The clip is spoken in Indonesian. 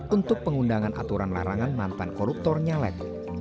untuk pengundangan aturan larangan mantan koruptor nyalek